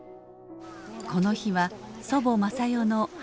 この日は祖母雅代の初盆法要。